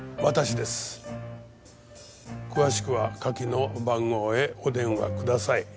「詳しくは下記の番号へお電話ください」